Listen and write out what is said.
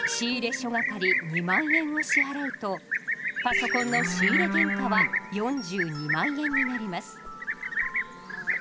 諸掛２万円を支払うとパソコンの仕入原価は４２万円になります。